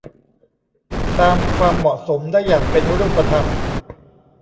ตามความเหมาะสมได้อย่างเป็นรูปธรรม